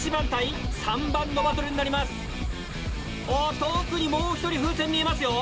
奥にもう１人風船見えますよ